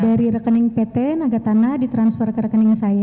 dari rekening pt naga tanah ditransfer ke rekening saya